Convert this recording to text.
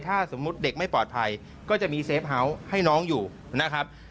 ถ้าสมมุติเด็กไม่ปลอดภัยก็จะมีเซฟเฮาส์ให้น้องอยู่นะครับ